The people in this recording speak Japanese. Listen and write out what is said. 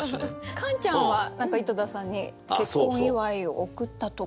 カンちゃんは何か井戸田さんに結婚祝を贈ったとか？